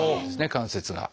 関節が。